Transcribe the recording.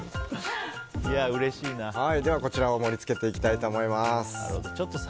こちらを盛り付けていきたいと思います。